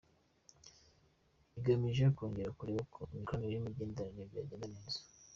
Bigamije kongera kureba ko imikoranire n’imigenderanire byagenda neza.